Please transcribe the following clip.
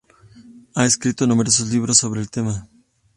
Ha escrito numerosos libros sobre el tema.